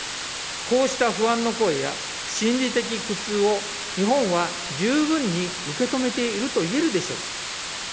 こうした不安の声や心理的苦痛を日本は十分に受け止めているといえるでしょうか。